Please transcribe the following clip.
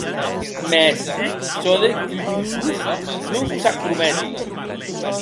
Mès çò de Kutuzov non vos ac prometi.